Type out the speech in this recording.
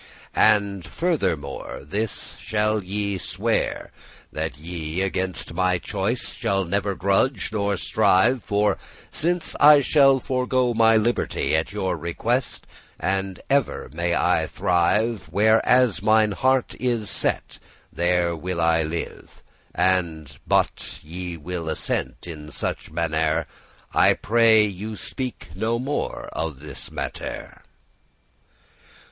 "And farthermore this shall ye swear, that ye Against my choice shall never grudge* nor strive. *murmur For since I shall forego my liberty At your request, as ever may I thrive, Where as mine heart is set, there will I live And but* ye will assent in such mannere, *unless I pray you speak no more of this mattere."